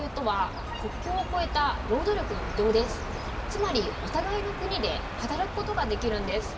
人的交流とはつまりお互いの国で働くことができるんです。